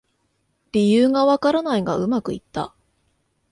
理由がわからないがうまくいった